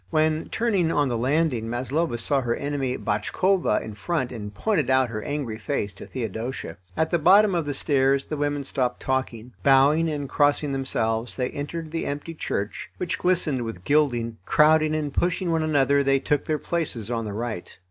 When turning, on the landing, Maslova saw her enemy, Botchkova, in front, and pointed out her angry face to Theodosia. At the bottom of the stairs the women stopped talking. Bowing and crossing themselves, they entered the empty church, which glistened with gilding. Crowding and pushing one another, they took their places on the right.